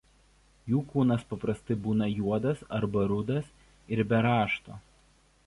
Jų kūnas paprastai būna juodas arba rudas ir be rašto.